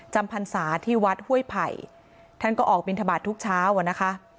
พรรษาที่วัดห้วยไผ่ท่านก็ออกบินทบาททุกเช้าอ่ะนะคะ